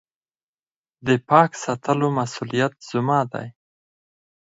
د پاک ساتلو مسولیت زما دی .